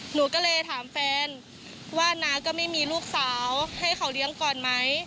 หนูก็เลยถามแฟนว่าน้าก็ไม่มีลูกสาวให้เขาเลี้ยงก่อนไหม